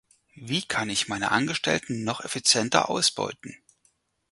Wie kann ich meine Angestellten noch effizienter ausbeuten?